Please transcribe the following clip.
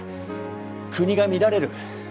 国が乱れる？